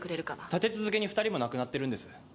立て続けに２人も亡くなってるんです。